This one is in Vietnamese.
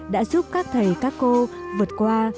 đã giúp các thầy các cô vượt qua